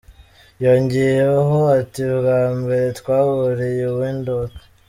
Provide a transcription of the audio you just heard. Yongeyeho ati “Bwa mbere twahuriye i Windhoek.